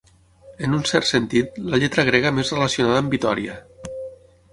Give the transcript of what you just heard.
En un cert sentit, la lletra grega més relacionada amb Vitòria.